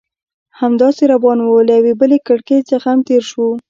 همداسې روان وو، له یوې بلې کړکۍ څخه هم تېر شوو.